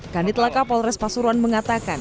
kandit laka polres pasuruan mengatakan